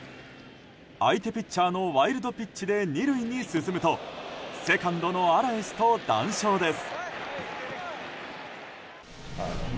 相手ピッチャーのワイルドピッチで２塁に進むとセカンドのアラエスと談笑です。